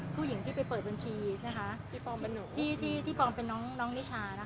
ผู้หญิงที่ไปเปิดบัญชีที่พร้อมเป็นน้องนิช่า